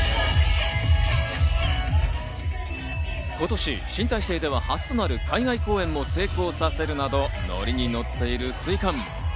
今年、新体制では初となる海外公演も成功させるなど、ノリにノッている水カン。